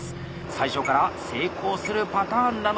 最初から成功するパターンなのか？